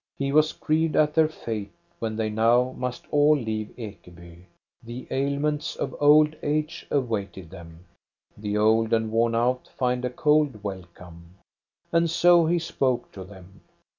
He was grieved at 472 THE STORY OF COSTA BERLING their fate when they now must all leave Ekeby. The ailments of old age awaited them. The old and worn out find a cold welcome. And so he spoke to them.